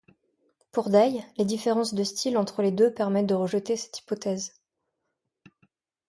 Pour Dye, les différences de style entre les deux permettent de rejeter cette hypothèse.